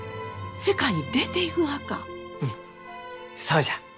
うんそうじゃ！